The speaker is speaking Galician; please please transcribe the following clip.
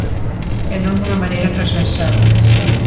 E non dunha maneira transversal.